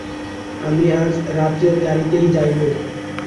আমি আজ রাত্রের গাড়িতেই যাইব।